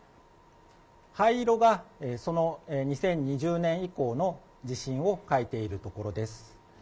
灰色がその２０２０年以降の地震を書いている所です。